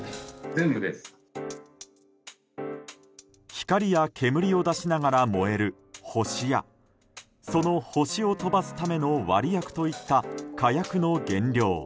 光や煙を出しながら燃える星やその星を飛ばすための割薬といった火薬の原料。